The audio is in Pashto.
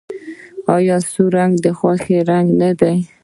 آیا سور رنګ د خوښۍ نښه نه ده؟